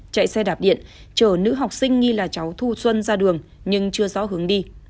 chạy xe đạp điện chở nữ học sinh nghi là cháu thu xuân ra đường nhưng chưa rõ hướng đi